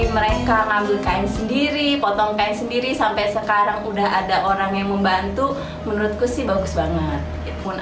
mereka ngambil kain sendiri potong kain sendiri sampai sekarang udah ada orang yang membantu menurutku sih bagus banget